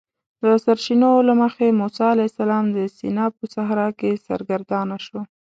د سرچینو له مخې موسی علیه السلام د سینا په صحرا کې سرګردانه شو.